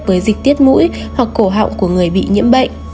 với dịch tiết mũi hoặc cổ họng của người bị nhiễm bệnh